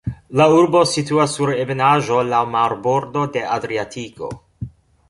La urbo situas sur ebenaĵo, laŭ marbordo de Adriatiko.